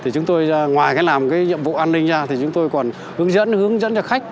chúng tôi ngoài làm nhiệm vụ an ninh ra chúng tôi còn hướng dẫn cho khách